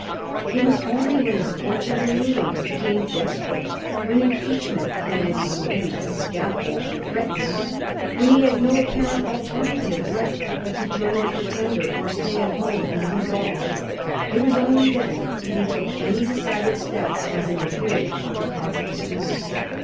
It was only when his fortunes in England became desperate, when impeachment, and, as he believed, a scaffold, threatened him, when he had no apparent alternative left but to join the Pretender or stay at home and lose all — ^it was only then that he took any decided step as an adherent of the cause of the Stuarts.